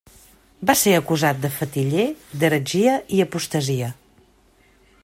Va ser acusat de fetiller, d'heretgia i apostasia.